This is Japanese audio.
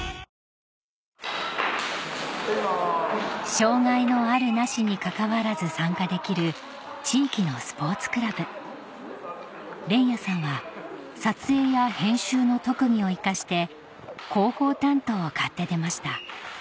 障がいのあるなしにかかわらず参加できる地域のスポーツクラブ連也さんは撮影や編集の特技を生かして広報担当を買って出ました